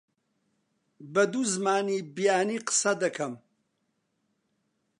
بە دوو زمانی بیانی قسە دەکەم.